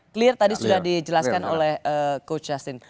clear tadi sudah dijelaskan oleh coach justin